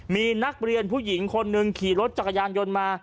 มีนักเรียนผู้หญิงคนหนึ่งขี่รถจักรยานยนต์มา